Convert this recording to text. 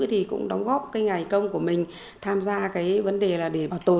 thì cũng đóng góp cái ngày công của mình tham gia cái vấn đề là để bảo tồn